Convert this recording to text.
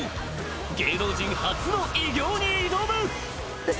芸能人初の偉業に挑む。